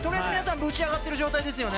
ぶちあがっている状態ですよね。